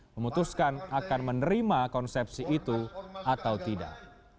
memutuskan akan menerima konsepsi itu atau tidak